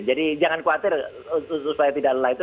jadi jangan khawatir supaya tidak lelah itu